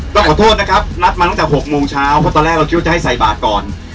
ต้องขอโทษนะครับนัดมาตั้งแต่๖โมงเช้าเพราะตอนแรกเราคิดว่าจะให้ใส่บาทก่อน